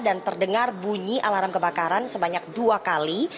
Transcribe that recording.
dan terdengar bunyi alarm kebakaran sebanyak dua kali